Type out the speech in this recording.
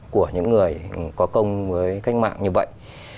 của những người có công với cách mạng như vậy